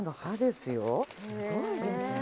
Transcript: すごいですね。